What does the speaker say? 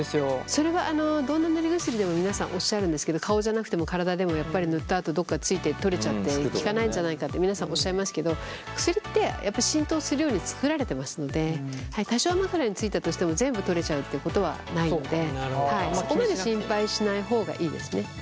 それはどんな塗り薬でも皆さんおっしゃるんですけど顔じゃなくても体でもやっぱり塗ったあとどこかついて取れちゃって効かないんじゃないかって皆さんおっしゃいますけど薬ってやっぱり浸透するように作られてますので多少枕についたとしても全部取れちゃうっていうことはないのでそこまで心配しない方がいいですね。